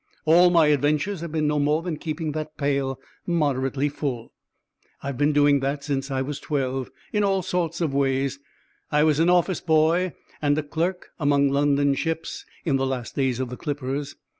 All my adventures have been no more than keeping that pail moderately full. I've been doing that since I was twelve, in all sorts of ways. I was an office boy and a clerk among London's ships, in the last days of the clippers.